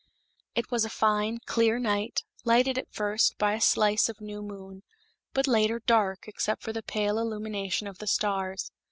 It was a fine, clear night, lighted, at first, by a slice of new moon; but later, dark, except for the pale illumination of the stars.